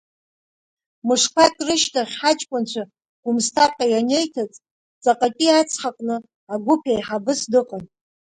Мышқәак рышьҭахь ҳаҷкәынцәа Гәымсҭаҟа ианеиҭаҵ, ҵаҟатәи ацҳа аҟны агәыԥ еиҳабыс дыҟан.